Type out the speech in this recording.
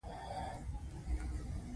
• شیدې د کاربوهایډریټ یوه سرچینه ده.